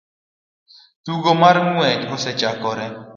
Tugo mar ng'wech osechakore